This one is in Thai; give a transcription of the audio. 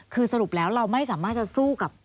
คือสรุปแล้วเราไม่สามารถจะสู้กับ